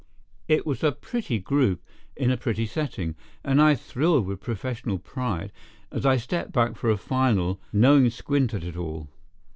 It was a pretty group in a pretty setting, and I thrilled with professional pride as I stepped back for a final, knowing squint at it all.